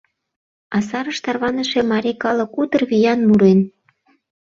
А сарыш тарваныше марий калык утыр виян мурен.